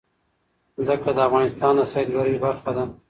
ځمکه د افغانستان د سیلګرۍ برخه ده.